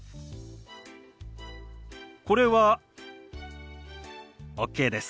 これはＯＫです。